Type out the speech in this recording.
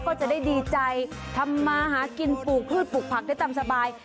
ก็จะได้ดีใจทำมาหากินปลูกพืชปลูกผักได้ตามสบาย